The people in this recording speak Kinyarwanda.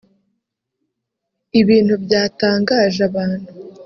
ibintu byatangaje abantu